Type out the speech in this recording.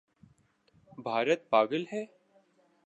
بھارت پاگل ہے؟